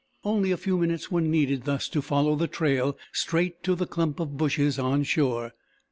Only a few minutes were needed thus to follow the trail straight to the clump of bushes on shore.